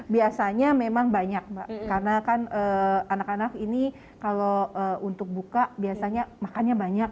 biasanya memang banyak mbak karena kan anak anak ini kalau untuk buka biasanya makannya banyak